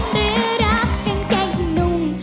หรือรักกางแกงให้นุ่ม